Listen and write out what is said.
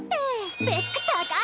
スペック高い。